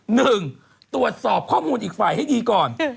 หนึ่งตรวจสอบข้อมูลอีกฝ่ายให้ดีก่อน